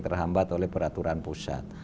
terhambat oleh peraturan pusat